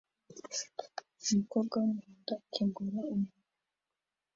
Umukobwa wumuhondo akingura umunwa